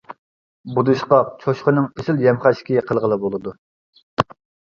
بۇدۇشقاق چوشقىنىڭ ئېسىل يەم-خەشىكى قىلغىلى بولىدۇ.